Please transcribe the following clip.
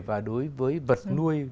và đối với vật nuôi